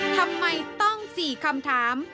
ทำไมต้อง๔คำถาม